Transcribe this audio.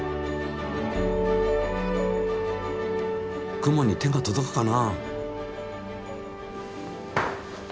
雲に手が届くかな？